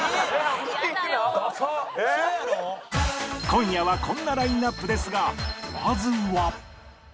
今夜はこんなラインナップですがまずは